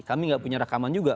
kami nggak punya rekaman juga